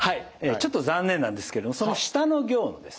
ちょっと残念なんですけどもその下の行のですね